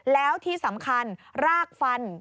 แล้วที่สำคัญรากฟัน